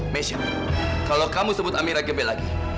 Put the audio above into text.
mesya kalau kamu sebut amira gembel lagi